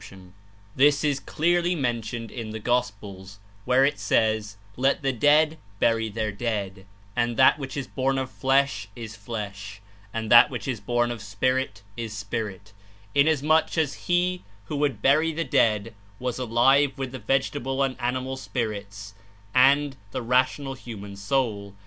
i his is clearly mentioned in the Gospels where it says, 'Let the dead bury their dead,' and 'That which is born of flesh is flesh, and that which is born of Spirit is spirit,' inasmuch as he who would bury the dead was alive with the vegetable and animal spirits and the rational human soul.